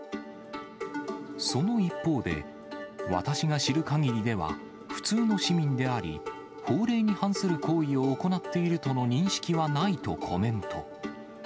その一方で、私が知るかぎりでは普通の市民であり、法令に反する行為を行っているとの認識はないとコメント。